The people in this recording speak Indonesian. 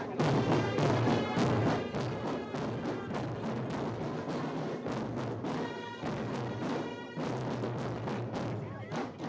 kenderaan di belikat